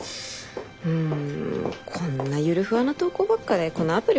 うんこんなゆるふわな投稿ばっかでこのアプリ